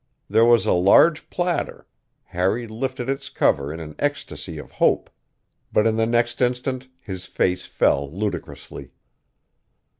There was a large platter; Harry lifted its cover in an ecstasy of hope; but the next instant his face fell ludicrously.